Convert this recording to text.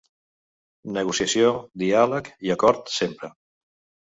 Negociació, diàleg i acord, sempre.